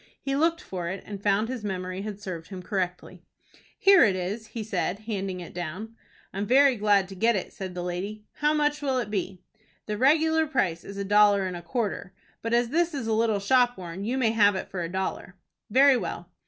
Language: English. He looked for it, and found his memory had served him correctly. "Here it is," he said, handing it down. "I am very glad to get it," said the lady. "How much will it be?" "The regular price is a dollar and a quarter, but as this is a little shop worn you may have it for a dollar." "Very well."